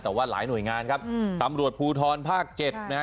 แต่ว่าหลายหน่วยงานครับตำรวจภูทรภาค๗นะฮะ